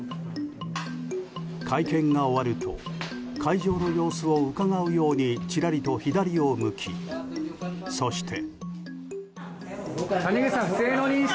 会見が終わると会場の様子をうかがうようにちらりと左を向き、そして。